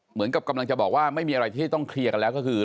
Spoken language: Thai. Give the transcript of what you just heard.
เหมือนกับกำลังจะบอกว่าไม่มีอะไรที่ต้องเคลียร์กันแล้วก็คือ